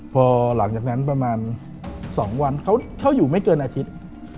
พอหลังจากนั้นประมาณ๒วันเขาเช่าอยู่ไม่เกินอาทิตย์